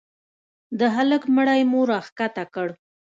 د هلك مړى مو راكښته كړ.